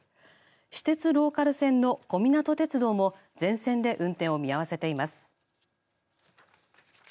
私鉄ローカル線の小湊鐵道も全線で運転を見合わせています。